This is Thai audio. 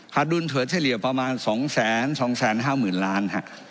ขาดดุลถือเฉลี่ยประมาณ๒๐๐๒๕๐ล้าน